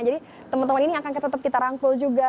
jadi teman teman ini akan tetap kita rangkul juga